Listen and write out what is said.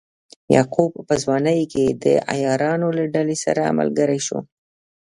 یعقوب په ځوانۍ کې د عیارانو له ډلې سره ملګری شو.